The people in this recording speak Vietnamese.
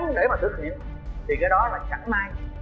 thì cái đó là chẳng may